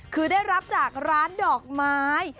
คือได้รับจากร้านดอกไม้